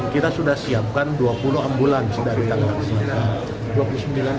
kita sudah siapkan dua puluh ambulans dari tangan